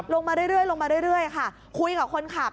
ลงมาเรื่อยค่ะคุยกับคนขับ